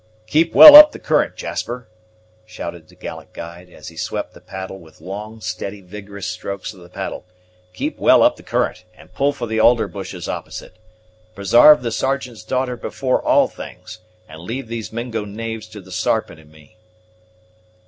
"Keep well up the current, Jasper," shouted the gallant guide, as he swept the water with long, steady, vigorous strokes of the paddle; "keep well up the current, and pull for the alder bushes opposite. Presarve the Sergeant's daughter before all things, and leave these Mingo knaves to the Sarpent and me."